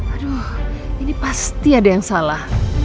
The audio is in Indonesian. aduh ini pasti ada yang salah